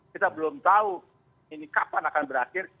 kita belum tahu ini kapan akan berakhir